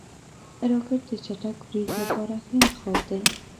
راکټ د چټک برید لپاره ښه انتخاب دی